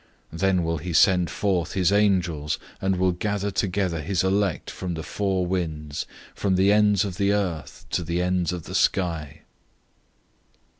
013:027 Then he will send out his angels, and will gather together his chosen ones from the four winds, from the ends of the earth to the ends of the sky.